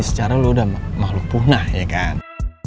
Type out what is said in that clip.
secara lo udah makhluk punah ya kan